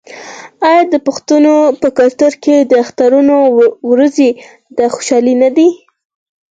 آیا د پښتنو په کلتور کې د اخترونو ورځې د خوشحالۍ نه دي؟